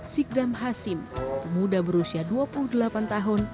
sikdam hasim pemuda berusia dua puluh delapan tahun